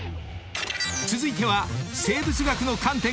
［続いては生物学の観点から診断］